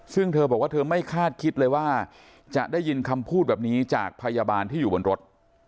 ซึ่งเธอบอกว่าเธอไม่คาดคิดเลยว่าจะได้ยินคำพูดแบบนี้จากพยาบาลที่อยู่บนรถ